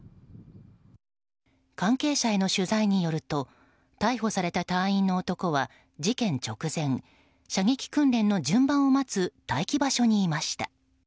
関係者への取材によると逮捕された隊員の男は事件直前、射撃訓練の順番を待つ待機場所にいました。